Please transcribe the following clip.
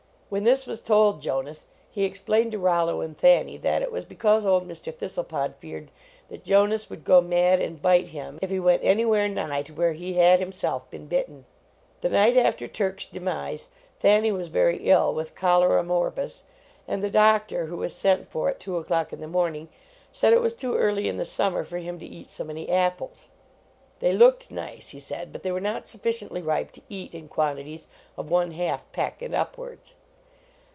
When this was told Jonas, he explained to Rollo and Thanny that it was because old Mr. This tlepod feared that Jonas would go mad and bite him if he went anywhere nigh to where he had himself been bitten. The night after Turk s demise, Thanny was very ill with cholera morbus, and the doctor, who was sent for at 2 o clock in the morning, 114 JONAS said it was too early in the summer for him to eat so many apples; they looked nice, he aid, but they were not sufficiently ripe toe.it in quantities of one half peck and upwards.